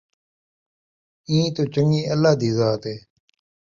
ایں توں چنڳی اللہ دی ذات ہے